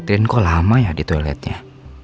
trine kok lama ya di toiletnya